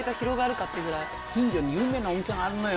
近所に有名なお店があるのよ。